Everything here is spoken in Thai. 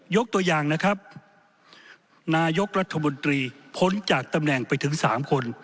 ยกตัวอย่างนะครับนายกรัฐมนตรีพ้นจากตำแหน่งไปถึง๓คน